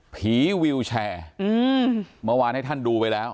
วิวแชร์เมื่อวานให้ท่านดูไปแล้ว